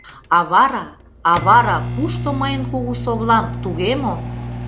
А вара, а вара — кушто мыйын кугу совлам, туге мо?